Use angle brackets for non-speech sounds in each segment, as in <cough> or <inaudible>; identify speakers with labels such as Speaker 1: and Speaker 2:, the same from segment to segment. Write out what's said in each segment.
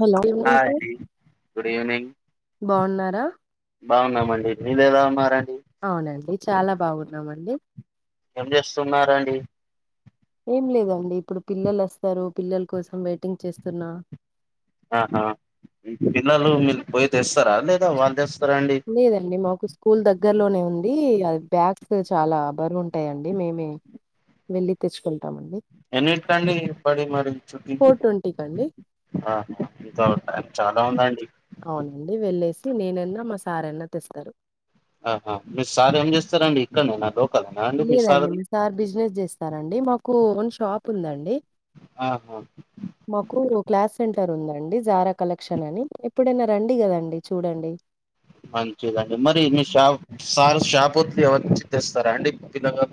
Speaker 1: Hello good evening
Speaker 2: hi
Speaker 1: sir
Speaker 2: అండి good
Speaker 1: బావున్నారా
Speaker 2: బావున్నామండీ మీరెలా ఉన్నారండి
Speaker 1: ఔనండి చాలా బావున్నామండి
Speaker 2: ఏం జేస్తున్నారండి
Speaker 1: ఏం లేదండి ఇప్పుడు పిల్లలొస్తారు పిల్లల్ కోసం వెయిటింగ్ చేస్తున్నా
Speaker 2: ఆహా మీ పిల్లలూ మీర్ పొయ్ తెస్తరా లేదా వాళ్ తెస్తరండీ
Speaker 1: లేదండి మాకు స్కూల్ దగ్గర్లోనే ఉందీ ఆ బ్యాగ్స్ చాలా బరువు ఉంటాయండి మేమే వెళ్ళి తెచ్చుకుంటాం అండి
Speaker 2: ఎన్నింటిక్ అండీ బడి మరి చుట్టీ
Speaker 1: ఫోర్ ట్వంటీకి అండి
Speaker 2: ఆ ఇంకా చాలా ఉందండి
Speaker 1: ఔనండి వెళ్ళేసి నేనన్నా మా సార్ అన్నా తెస్తరు
Speaker 2: ఆహా మీరు సార్ ఏం జేస్తరండీ ఇక్కన్నేనా లోక్
Speaker 1: లేదండి మ సార్ బిజినెస్ జేస్తారండి మాకూ ఓన్ షాప్ ఉందండి
Speaker 2: ఆహా
Speaker 1: మాకూ క్లాస్ సెంటర్ ఉందండి జారా కలక్షన్ అని ఎప్పుడైనా రండి గదండి చూడండి
Speaker 2: మంచిదండి మరి మీ షాప్ సార్ షాప్ వత్తి ఎవర్ తెస్తార్ అండి పిల్లగా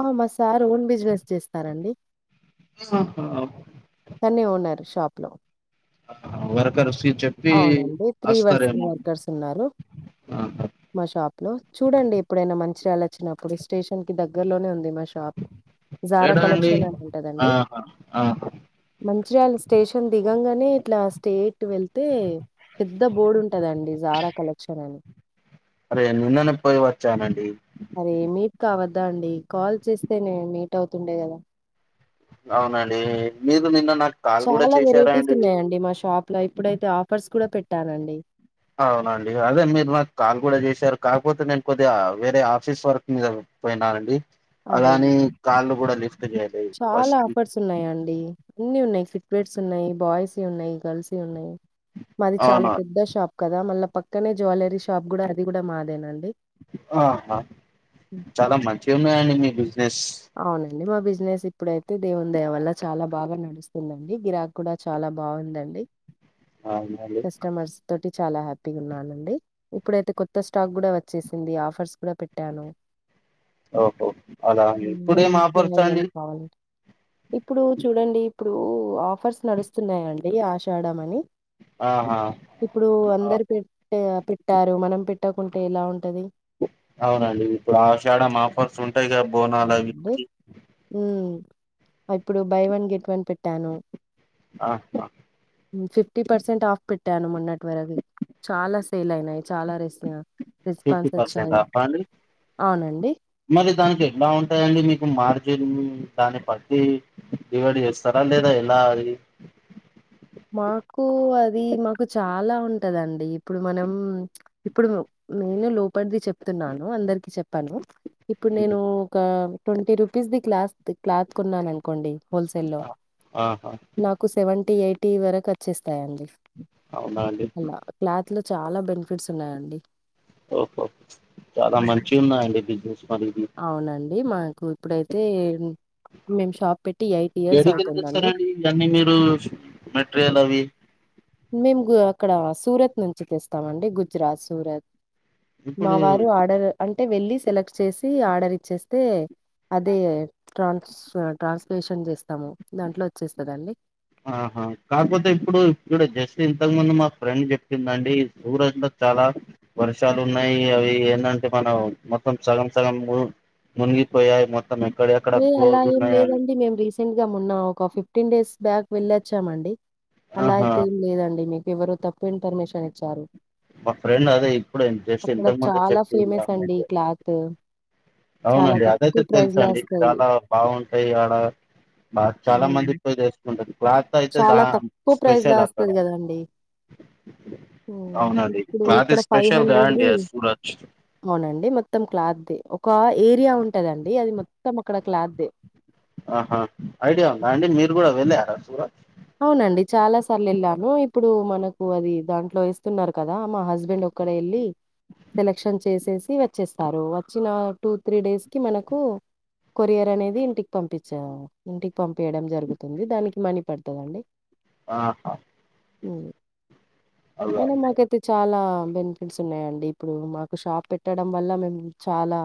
Speaker 1: ఆ మా సార్ ఓన్ బిజినెస్ చేస్తారండి
Speaker 2: హ హా ఆప్
Speaker 1: తన్నే ఓనర్ షాప్ లో
Speaker 2: వర్కర్ ఫీచర్
Speaker 1: ఔనండి త్రీ వర్స్ వర్కర్స్ ఉన్నారు
Speaker 2: ఆహా
Speaker 1: మ షాప్ లో చూడండి ఎప్పుడైనా మంచిర్యాల్ వచ్చినప్పుడు స్టేషన్ కి దగ్గర్లోనే ఉంది మా షాప్ జారా
Speaker 2: ఏడ అండీ
Speaker 1: కలెక్షన్ అని
Speaker 2: ఆహా ఆ హా
Speaker 1: మంచిర్యాల్ స్టేషన్ దిగంగనే ఇట్లా స్టేట్ వెళ్ తే పెద్ద బోడ్ ఉంటదండి జారా కలక్షన్ అని
Speaker 2: అరే నిన్న నెప్ పొయ్ వచ్చానండి
Speaker 1: అరే మీట్ కావద్దా అండి కాల్ చేస్తే నేను మీట్ అవుతుండే కదా
Speaker 2: అవునండి మీరు నిన్న నాకు కాల్ కూడా
Speaker 1: చాలా
Speaker 2: చేశారా
Speaker 1: వెరైటీస్
Speaker 2: అండి
Speaker 1: ఉన్నాయండి మా షాప్ లో ఇప్పుడైతే ఆఫర్స్ కూడా పెట్టానండి
Speaker 2: అవునండి అదే మీరు నాకు కాల్ కూడా చేశారు కాకపోతే నేను కొద్దిగా వేరే ఆఫీస్ వర్క్ మీద పోయినా అండి
Speaker 1: అరే!
Speaker 2: అలాని కాల్ కూడా లిఫ్ట్ చేయ
Speaker 1: చాలా ఆపర్స్ ఉన్నాయండి అన్ని ఉన్నాయి ఫుట్వేర్స్ ఉన్నాయ్ బాయ్స్ ఉన్నాయి గర్ల్స్ ఉన్నాయి మాది చాలా
Speaker 2: అవునా
Speaker 1: పెద్ద షాప్ కదా మళ్ళా పక్కనే జ్యువెలరీ షాప్ కూడా అది కూడా మాదేనండి
Speaker 2: ఆహా
Speaker 1: ఉమ్.
Speaker 2: చాలా మంచిగా ఉన్నాయండి మీ బిజినెస్
Speaker 1: అవునండి మా బిజినెస్ ఇప్పుడైతే దేవుని దయ వల్ల చాలా బాగా నడుస్తుందండి గిరాకి కూడా చాలా బాగుందండి
Speaker 2: అవునండి
Speaker 1: కస్టమర్స్ తోటి చాలా హ్యాపీగా ఉన్నానండి ఇప్పుడైతే కొత్త స్టాక్ కూడా వచ్చేసింది ఆఫర్స్ కూడా పెట్టాను
Speaker 2: ఓహో అలా
Speaker 1: ఉమ్. మీ
Speaker 2: ఇప్పుడేం
Speaker 1: ఇంట్లో
Speaker 2: ఆఫర్స్ అండి
Speaker 1: <unintelligible> ఇప్పుడు చూడండి ఇప్పుడు ఆఫర్స్ నడుస్తున్నాయండి ఆషాడమని
Speaker 2: ఆహా
Speaker 1: ఇప్పుడు
Speaker 2: ఆ-
Speaker 1: అందరు పెట్ట పెట్టారు మనం పెట్టకుంటే ఎలా ఉంటది
Speaker 2: అవునండి ఇప్పుడు ఆషాడం ఆఫర్స్ ఉంటాయి గా బోనాల అవి
Speaker 1: హుమ్ ఇప్పుడు బై వన్ గెట్ వన్ పెట్టాను
Speaker 2: ఆహా
Speaker 1: ఫిఫ్టీ పర్సెంట్ ఆఫ్ పెట్టాను మొన్నటి వరకు చాలా సేల్ అయినాయి చాలా రిస్
Speaker 2: ఫిఫ్టీ
Speaker 1: రెస్పాన్స్
Speaker 2: పర్సెంట్
Speaker 1: వచ్చాయి
Speaker 2: ఆఫ్ అండి
Speaker 1: అవునండి
Speaker 2: మరి దానికి ఎలా ఉంటాయండి మీకు మార్కెటు దాన్ని బట్టి డివైడ్ చేస్తారా లేదా ఎలా అది
Speaker 1: మాకు అది మాకు చాలా ఉంటదండి ఇప్పుడు మనం ఇప్పుడు నేను లోపలిది చెప్తున్నాను అందరికి చెప్పాను ఇప్పుడు
Speaker 2: ఉమ్,
Speaker 1: నేను ఒక twenty rupees the cloth cloth కొన్నాను అనుకోండి హోల్సే లో
Speaker 2: ఆ- ఆహా
Speaker 1: నాకు సెవెంటీ ఎయిటీ వరకు వచ్చేస్తాయండి
Speaker 2: అవునా అండి
Speaker 1: అలా క్లాత్ లో చాలా బెనిఫిట్స్ ఉన్నాయండి
Speaker 2: ఓహో చాలా మంచిగా ఉన్నదండి అ బిజినెస్ పరిది
Speaker 1: అవునండి మాకు ఇప్పుడైతే మేం షాప్ పెట్టి ఎయిట్ ఇయర్స్ అవుతుందండి
Speaker 2: కానీ మీరు మెటీరియల్ అవి
Speaker 1: మేము అక్కడ సూరత్ నుంచి తెస్తామండి గుజరాత్ సూరత్ మా
Speaker 2: ఇప్పుడు
Speaker 1: వారు ఆర్డర్ అంటే వెళ్ళి సెలెక్ట్ చేసి ఆర్డర్ ఇచ్చేస్తే అదే ట్రాన్స్ ట్రాన్స్లేషన్ చేస్తాము దాంట్లో వచ్చేస్తదండి
Speaker 2: ఆహా కాకపోతే ఇప్పుడు ఇక్కడ జస్ట్ ఇంతకు ముందు మా ఫ్రెండ్ చెప్పిందండి సూరజ్ లో చాలా వర్షాలు ఉన్నాయి అవి ఏంటంటే మనం మొత్తం సగం సగం మునిగి పోయాయి మొ మొత్తం ఎక్కడి
Speaker 1: ఏ అలా ఏం లేదండి మేం రీసెంట్ గా మొన్న ఒక ఫిఫ్టీన్ డేస్ బ్యాక్ వెళ్ళొచ్చామండి అలా
Speaker 2: ఆహా!
Speaker 1: అయితే ఏం లేదండి మీకు ఎవరో తప్పు ఇన్ఫర్మేషన్ ఇచ్చారు
Speaker 2: మా ఫ్రెండ్ అదే ఇప్పుడే జస్ట్ ఇంతకు ముందు చెప్పింది <unintelligible>
Speaker 1: నాతో
Speaker 2: అవునండి అదైతే తెలుసండి
Speaker 1: వస్తది
Speaker 2: చాలా బాగుంటాయి ఆడ బాగా చాలా మంది
Speaker 1: అవును
Speaker 2: పోయి తెసుకుంటది క్లాత్ అయితే దా
Speaker 1: చాలా తక్కువ ప్రైజ్ లో
Speaker 2: స్పెషల్ అక్కడ
Speaker 1: వస్తది కదండి హ్మ్
Speaker 2: అవునండి
Speaker 1: ఇప్పుడు
Speaker 2: క్లాత్
Speaker 1: ఇక్కడ ఫైవ్
Speaker 2: స్పెషల్ గా అండి
Speaker 1: హండ్రెడ్ది
Speaker 2: సూరజ్
Speaker 1: అవునండి మొత్తం క్లాత్ ది ఒక ఏరియా ఉంటదండి అది మొత్తం అక్కడ క్లాత్ ది
Speaker 2: ఆహా ఐడియా ఉందా అండి మీరు కూడా వెళ్ళార సూరత్
Speaker 1: అవునండి చాలా సార్లు వెళ్ళాను ఇప్పుడు మనకు అది దాంట్లో ఇస్తున్నారు కదా మా హస్బెండ్ ఒక అక్కడ ఎళ్ళీ సెలక్షన్ చేసేసి వచ్చేస్తారు వచ్చిన టూ త్రీ డేస్ కి మనకు కొరియర్ అనేది ఇంటికి పంపించా ఇంటికి పంపయడం జరుగుతుంది దానికి మణ పడుంది పస్తుదండి
Speaker 2: ఆహా అలా
Speaker 1: ఐన మాకైతె చాలా బెనిఫిట్స్ ఉన్నాయండి ఇప్పుడు మాకు షాప్ పెట్టడం వల్ల మేము చాలా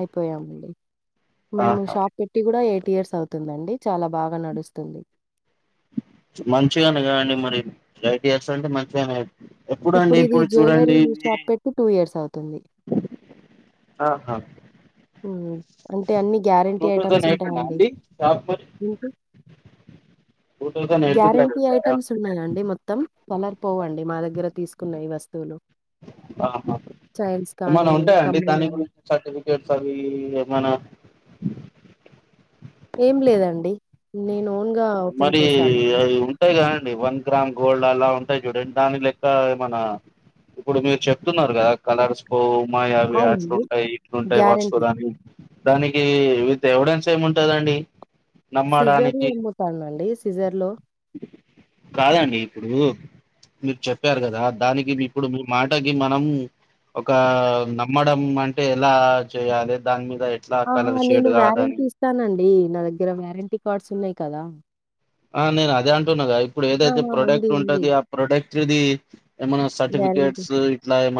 Speaker 1: అయిపోయామండి మేము
Speaker 2: ఆహా!
Speaker 1: షాప్ పెట్టి కూడా ఎయిట్ ఇయర్స్ అవుతుందండి చాలా బాగా నడుస్తుంది
Speaker 2: మంచిగానే కాండి మరి ఎయిట్ ఇయర్స్ అంటె అంటే మంచిగానే అయి ఎప్పుడుండి ఇప్పుడు చూడండి
Speaker 1: టూ ఇయర్స్ అవుతుంది
Speaker 2: ఆహా
Speaker 1: మ్ అంటే అన్ని గ్యారెంటీ ఐటెమ్స్ ఉంటాయండి
Speaker 2: అండి షాప్ మరి?
Speaker 1: గ్యారంటీ అయి
Speaker 2: పెట్టారా?
Speaker 1: టమ్స్ ఉన్నాయండి మొత్తం కలర్పోవండి మా దగ్గర తీసుకున్నయి వస్తువులు
Speaker 2: ఆ హా
Speaker 1: చైన్స్
Speaker 2: ఏమన్నా
Speaker 1: కానీ,
Speaker 2: ఉంటాయాండి
Speaker 1: కమ్మలు
Speaker 2: దాని
Speaker 1: గానీ
Speaker 2: గురించి సర్టిఫికెట్స్ అవి ఏమన
Speaker 1: ఏం లేదండి నేను ఓన్గా ఓపెన్ చేసాను
Speaker 2: ఉటాయి కాదండి వన్ గ్రామ్ గోల్డ్ అలా ఉంటాయి చూడండి దాని లెక్క ఏమనా ఇప్పుడు మీరు చెప్తున్నారు గా కలర్స్ పోవు మాయి అవి అట్లు
Speaker 1: అవునండి.
Speaker 2: ఉంటాయి ఇట్లుంటాయి వాష్
Speaker 1: గ్యారంటీ.
Speaker 2: ఆని దానికి విత్ ఎవిడెన్స్ ఏమి ఉంటదండి
Speaker 1: సిజర్ ని అమ్ముతానండి సిజర్ లో
Speaker 2: కాదండి ఇప్పుడు మీరు చెప్పారు కదా దానికి మీ మీరు మాటకి మనం ఒక నమ్మడం అంటే ఎలా చేయాలి దాని మీద ఎట్లా
Speaker 1: ఆహా
Speaker 2: కలర్
Speaker 1: నేను
Speaker 2: షేడ్ కాదని
Speaker 1: వ్యారంటీ ఇస్తానండి నా దగ్గర వ్యారంటీ కార్డ్స్ ఉన్నాయి కదా
Speaker 2: ఆ నేను అదే అంటున్నాగా ఇప్పుడు ఏదైతే
Speaker 1: ఆహా! ఉంది.
Speaker 2: ప్రోడక్ట్
Speaker 1: ఉంది.
Speaker 2: ఉంటది ఆ ప్రొడక్ట్ ఇది
Speaker 1: వారంటీ
Speaker 2: సర్టిఫికేట్స్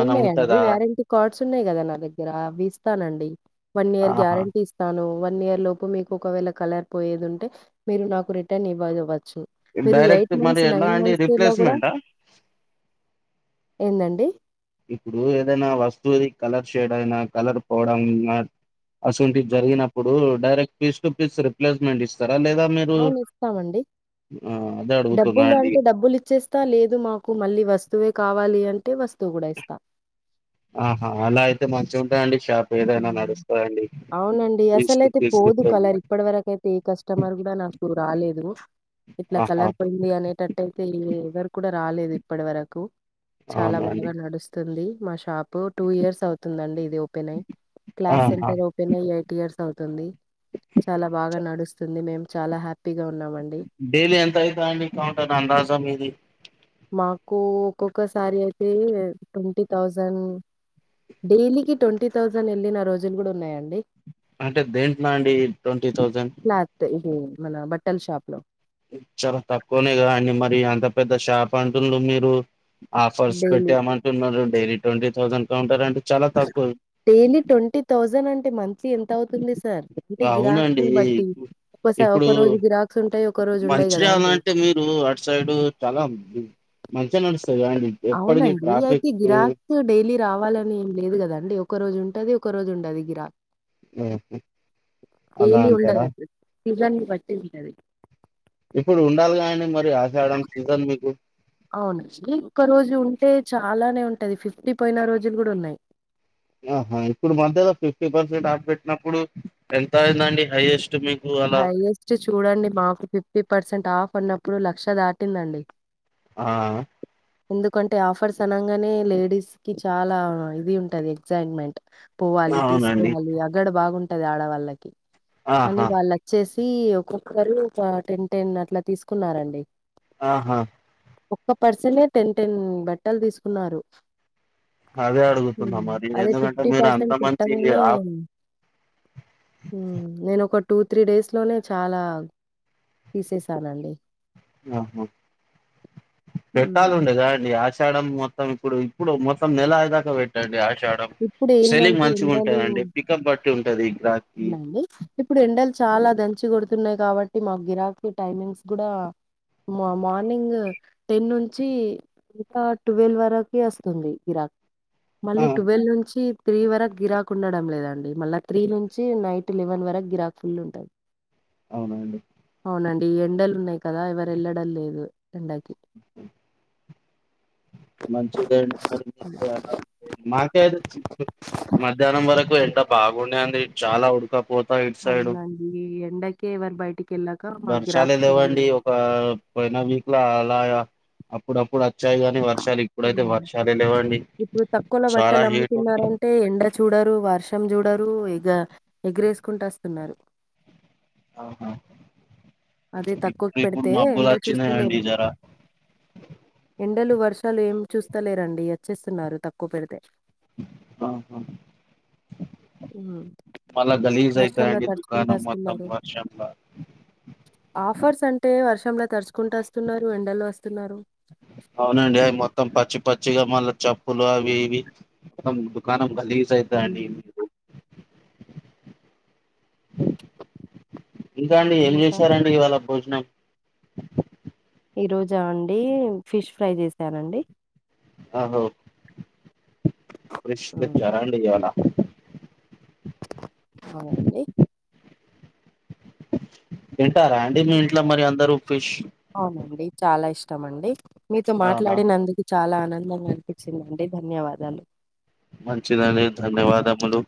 Speaker 1: ఉన్నాయండి
Speaker 2: ఉంటదా
Speaker 1: వారంటీ కార్డ్స్ ఉన్నాయి కదా నా దగ్గర అవి ఇస్తానండి వన్ ఇయర్
Speaker 2: ఆహా
Speaker 1: గ్యారంటీ ఇ స్తాను వన్ ఇయర్ లోపు మీకు ఒకవేళ కలారిపోయేది ఉంటే మీరు నాకు రిటర్న్ ఇవ్వ ఇవ్వచ్చు మీరు
Speaker 2: డైరెక్ట్
Speaker 1: ఎయిట్
Speaker 2: మరి
Speaker 1: మంత్స్
Speaker 2: ఎలా
Speaker 1: నైన్
Speaker 2: అండి
Speaker 1: మంత్స్ లో కూడా
Speaker 2: రీప్లేస్మెంటా
Speaker 1: ఏందండి
Speaker 2: ఇప్పుడు ఏదైనా వస్తువుది కలర్ షేడ్ అయినా కలర్ పోవడం అ అసవంటి జరిగినప్పుడు direct piece to piece replacement ఇస్తారా లేదా మీరు
Speaker 1: అవును. ఇస్తామండి.
Speaker 2: అదే అడుగుతున్న అండి
Speaker 1: డబ్బులిచ్చేస్ త్త లేదు మాకు మళ్ళీ వస్తువే కావాలి అంటే వస్తువు గూడ ఇస్తా
Speaker 2: ఆహా అలా అయితే మంచిగుంటయండి షాప్ ఏదైనా
Speaker 1: హ్మ్.
Speaker 2: నడుస్తదండ్
Speaker 1: అవునండి అసలయితే పోదు కలర్
Speaker 2: రిప్లేస్మెంట్
Speaker 1: ఇప్పటి వరకయితే ఏ కస్టమర్ కూడా నాకు రాలేదు ఇట్లా
Speaker 2: ఆహా
Speaker 1: కలర్ పొయిన్ ది అనేటట్టయితే ఏ ఎవరు కూడ రాలేదు ఇప్పటి వరకు, చాలా
Speaker 2: అవునా అండి
Speaker 1: బాగా నడుస్తున్ తుంది మా షాప్ టూ ఇయర్స్ అవుతుందండి ఇది ఓపెన్ అయి క్లాత్స్
Speaker 2: ఆహా
Speaker 1: సెంటర్ ఓపెన్ అయి ఎయిట్ ఇయర్స్ అవుతుంది చాలా బాగా నడుస్తుంది మేము చాలా హ్యాపీగా ఉన్నామండి
Speaker 2: డైలీ ఎంత అయితదండి కౌంటర్ అందాజా మీది
Speaker 1: మాకు ఒక్కొక్కసారి అయితే ట్వంటీ థౌజండ్ డైలీకిి ట్వంటీ థౌజండ్ ఎళ్ళిన రోజులు గూడ ఉన్నయండి
Speaker 2: అంటే దేంట్ల అండి ట్వంటీ థౌజండ్
Speaker 1: క్లాత్ ఇది మన బట్టల్ షాప్ లో
Speaker 2: ఇద్ చాలా తక్కువనే కదాండి మరి అంత పెద్ద షాప్ అంటుళ్ళు మీరు ఆఫర్స్
Speaker 1: డైలీ
Speaker 2: పెట్టామంటున్నరు డైలీ ట్వంటీ థౌజండ్ కౌంటర్ అంటే చాలా తక్కువ
Speaker 1: డైలీ ట్వంటీ థౌజండ్ అంటే మంత్లీ ఎంత అవుతుంది సార్ అంటే గిరాక్
Speaker 2: అవునండి
Speaker 1: ని బట్టి ఒకస
Speaker 2: ఇప్పుడు
Speaker 1: ఒక రోజు గిరాక్స్ ఉంటయి ఒక రోజు ఉండయి గదా అండి
Speaker 2: టూ అడ్ సైడ్ చాలా ఉమ్ బ్ మంచిగ నడుస్తదిగా అండి ఎప్పటికి ప్రాఫిట్
Speaker 1: త్ డైలీ రావాలని ఏం లేదు గదండి ఒక రోజు ఉంటది ఒక రోజు ఉండది గిరా
Speaker 2: అలా
Speaker 1: డైలి
Speaker 2: అంటారా
Speaker 1: ఉండదండి సీజన్ని బట్టి ఉంటది
Speaker 2: ఇప్పుడు ఉండాలిగా అండి మరి ఆషాడం సీజన్ మీకు
Speaker 1: అవును ఇ ఒక్క రోజు ఉంటే చాలానే ఉంటది ఫిఫ్టీ పోయిన రోజులు గూడ ఉన్నయి
Speaker 2: ఆహ ఇప్పుడు మధ్యలో ఫిఫ్టీ పర్సెంట్ ఆప్ పెట్టినప్పుడు ఎంత అయిందండి హయ్యెస్ట్ మీక్
Speaker 1: హయ్యెస్ట్ చూడండి మాకు ఫిఫ్టీ పర్సెంట్ ఆఫ్ అన్నప్పుడు లక్ష దాటిందండి
Speaker 2: ఆ
Speaker 1: ఎందుకంటే ఆఫర్స్ అనంగనే లేడీస్ కి చాలా ఇది ఉంటది ఎక్సైట్మెంట్ పోవాలి
Speaker 2: అవునండి
Speaker 1: తీసుకోవాలి అగడ్ బాగుంటది ఆడవాళ్ళకి అని
Speaker 2: ఆహా
Speaker 1: వాళ్ళక్ చ్చేసి ఒక్కొక్కరు ఆ టెన్ టెన్ అట్లా తీసుకున్నారండి
Speaker 2: ఆహా
Speaker 1: ఒక్క పర్సనే టెన్ టెన్ బట్టల్ తీసుకున్నారు
Speaker 2: అదే అడుగుతున్నా
Speaker 1: ఉమ్
Speaker 2: మరి
Speaker 1: అదే
Speaker 2: ఎందుకంటే
Speaker 1: ఫిఫ్టీ
Speaker 2: మీరు అంత
Speaker 1: పర్సెంట్
Speaker 2: మంచి
Speaker 1: పెట్టగానే
Speaker 2: ఆ
Speaker 1: ఉమ్ నేనొక టూ త్రీ డేస్ లోనే చాలా తీసేసానండి
Speaker 2: ఆహా పెట్టాలుండే గదండి ఆషాడం మొత్ త్తం ఇప్పుడు ఇప్పుడు మొత్తం నెలయేదాకా పెట్టండి ఆషాడ్ డం
Speaker 1: ఇప్పుడు
Speaker 2: సెల్లింగ్
Speaker 1: ఏందంటే ఎండలు
Speaker 2: మంచిగుంటదండి పికప్ బట్టి ఉంటది గ్రాక్కి
Speaker 1: వుందండి ఇప్పుడు ఎండలు చాలా దంచి గొడుతున్నాయి కాబట్టి మా గిరాకి టైమింగ్స్ కూడా మ మార్నింగ్ టెన్ నుంచి ఇంకా ట్వెల్వ్ వరకి అస్తుంది గిరాక్ మళ్ళీ
Speaker 2: ఆహా
Speaker 1: ట్వెల్ నుంచి త్రీ వరకు గిరాక్ ఉండడం లేదండి, మళ్ళా త్రీ నుంచి నైట్ లెవెన్ వరకు గిరాక్ ఫుల్ ఉంటది
Speaker 2: అవునా అండి
Speaker 1: అవునండి ఎండలు ఉన్నయి కదా ఎవర్ ఎళ్లడం లేదు ఎండకి
Speaker 2: మంచిదండి మరి మీకు గిరాక్ రావడం మాకేడోచ్చింది మధ్యాహ్నం వరకు ఎండ బాగుండె అండి చాలా ఉడకపోత్ త ఇటు సైడు
Speaker 1: అవునండి ఈ ఎండకే ఎవరు బయటికి వెళ్ళాక మాకు
Speaker 2: వర్షాలే
Speaker 1: గిరాక్స్ కూడా
Speaker 2: లేవండి
Speaker 1: లేదండి.
Speaker 2: ఒకా పోయిన వీక్లా అలాగా అప్పుడప్పుడు వచ్చాయి కాని వ వర్షాలు ఇప్పుడైతే
Speaker 1: హ్మ్.
Speaker 2: వర్షాలె లేవండి
Speaker 1: ఇప్పుడు తక్కువలో
Speaker 2: చాలా
Speaker 1: బట్టలు
Speaker 2: హీట్ ఉంట
Speaker 1: అమ్ముతున్నారంటే ఎండ చూడరు వర్షం చూడరు ఎగ ఎగరేసుకుంట వస్తున్నారు
Speaker 2: ఆహా
Speaker 1: అదే తక్కువకి
Speaker 2: ఇప్పు ఇప్పుడు
Speaker 1: పెడితే
Speaker 2: మా అబ్బులు
Speaker 1: ఎండ
Speaker 2: వచ్చినాయిండి
Speaker 1: చూస్తలేరు.
Speaker 2: జర
Speaker 1: ఎండలు వర్షాలు ఏం చూస్తలేరండి అచ్చేస్తున్నారు తక్కువ పెడితే
Speaker 2: అ హా
Speaker 1: హ్మ్.
Speaker 2: మళ్ల గలీజ్ అయితా
Speaker 1: వర్షంలో
Speaker 2: అండి
Speaker 1: తడుచుకుంటూ
Speaker 2: దుకాణం మొత్తం
Speaker 1: వస్తున్నారు.
Speaker 2: వర్షంల
Speaker 1: ఆఫర్స్ అంటే వర్షంల తరుచుకుంటూ వస్తున్నారు ఎండల వస్తున్నారు
Speaker 2: అవునండి అవి మొత్తం పచ్చి పచ్చిగా మళ్ళా చప్పులు అవి ఇవి త్తం దుకాణం గలీజ్ అయితదండి
Speaker 1: హ్మ్.
Speaker 2: ఎందుకు ఇంకా అండి ఏం
Speaker 1: ఇంకా
Speaker 2: చేశారండి ఇవాళ భోజనం
Speaker 1: ఈ రోజా అండి ఫిష్ ఫ్రై చేసానండి
Speaker 2: ఆహ ఫ్రిష్
Speaker 1: హ్మ్
Speaker 2: తెచ్చారండి ఇయాల
Speaker 1: అవునండి
Speaker 2: తింటారా అండి మీ ఇంట్లో మరి అందరు ఫిష్
Speaker 1: అవునండి చాలా ఇష్టమండి మీతో
Speaker 2: అవునా
Speaker 1: మాట్లాడినందుకు చాలా ఆనందంగా అనిపించిందండి ధన్యవాదాలు
Speaker 2: మంచిదండి ధన్యవాదములు